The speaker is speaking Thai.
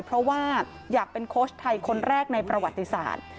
เพราะว่าอยากเป็นโค้ชไทยคนแรกในประวัติศาสตร์